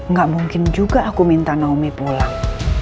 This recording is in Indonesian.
nggak mungkin juga aku minta naomi pulang